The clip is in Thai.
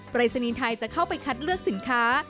ปริศนีย์ไทยจะเข้าไปคัดเลือกสินค้า